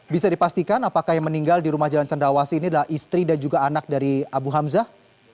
bisa dipastikan apakah yang meninggal di rumah jalan cendrawasi ini adalah istri dan juga anak dari abu hamzah